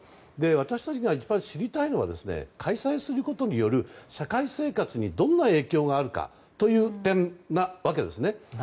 私たちが一番知りたいのは開催することによる社会生活にどんな影響があるかという点ですね。